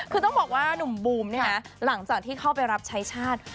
คือต้องบอกว่าหนุ่มบูมเนี่ยนะหลังจากที่เข้าไปรับใช้ชาติ